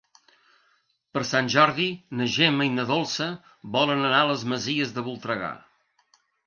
Per Sant Jordi na Gemma i na Dolça volen anar a les Masies de Voltregà.